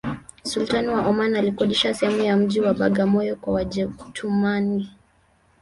sultani wa oman alikodisha sehemu ya mji wa bagamoyo kwa wajetumani